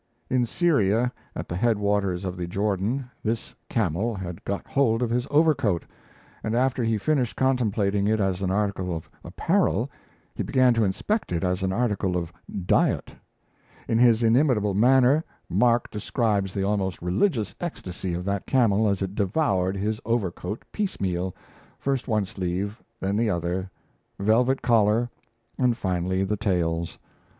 In Syria, at the head waters of the Jordan, this camel had got hold of his overcoat; and after he finished contemplating it as an article of apparel, he began to inspect it as an article of diet. In his inimitable manner, Mark describes the almost religious ecstasy of that camel as it devoured his overcoat piecemeal first one sleeve, then the other, velvet collar, and finally the tails.